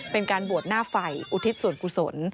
เป็นการบวชหน้าไฟอุทิศส่วนกุศล